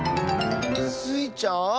⁉スイちゃん？